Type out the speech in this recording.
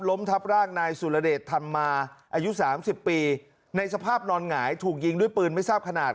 ทับร่างนายสุรเดชธรรมมาอายุ๓๐ปีในสภาพนอนหงายถูกยิงด้วยปืนไม่ทราบขนาด